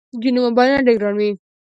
ځینې موبایلونه ډېر ګران وي.